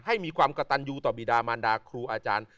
ให้มีความกระตันยูต่อบีดามันดาครูอาจารย์